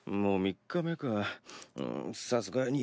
もう３日目か。